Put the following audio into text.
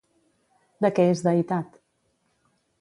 De què és deïtat?